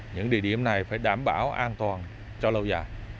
những địa điểm này phải đảm bảo an toàn cho lâu dài